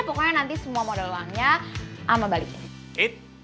pokoknya nanti semua model uangnya alma balikin